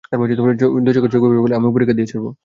দুঃখে চোখ ভরে ফেলবো, আমিও পরীক্ষা দিয়ে ছাড়বো।